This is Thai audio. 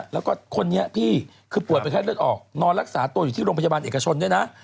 แล้วก็คนนี่คือปวดไปแค่เลือดออกนอนรักษาตัวอยู่ที่โรงพยาบาลเอกชน